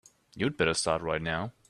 You'd better start right now.